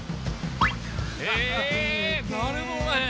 へぇ誰もおらへん。